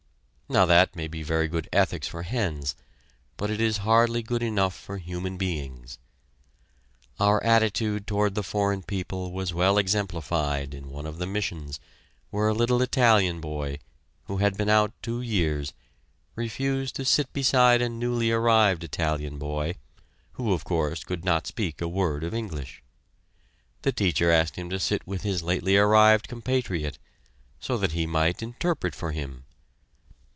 Now that may be very good ethics for hens, but it is hardly good enough for human beings. Our attitude toward the foreign people was well exemplified in one of the missions, where a little Italian boy, who had been out two years, refused to sit beside a newly arrived Italian boy, who, of course, could not speak a word of English. The teacher asked him to sit with his lately arrived compatriot, so that he might interpret for him.